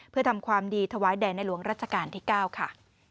เพื่อทำความดีถวายแด่ในหลวงรัชกาลที่๙ค่ะ